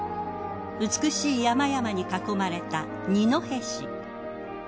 美しい山々に囲まれた二戸市。